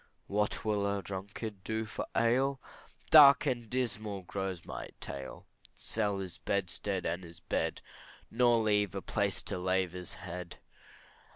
What will a drunkard do for ale? Dark and dismal grows my tale; Sell his bedstead and his bed, Nor leave a place to lay his head.